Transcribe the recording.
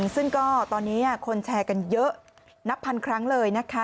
ซึ่งก็ตอนนี้คนแชร์กันเยอะนับพันครั้งเลยนะคะ